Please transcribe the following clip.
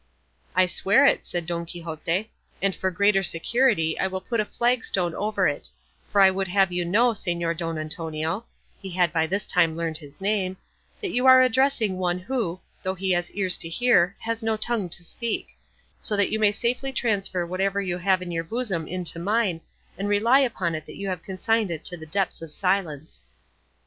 "I swear it," said Don Quixote, "and for greater security I will put a flag stone over it; for I would have you know, Señor Don Antonio" (he had by this time learned his name), "that you are addressing one who, though he has ears to hear, has no tongue to speak; so that you may safely transfer whatever you have in your bosom into mine, and rely upon it that you have consigned it to the depths of silence."